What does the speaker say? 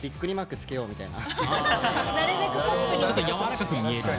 つけようみたいな。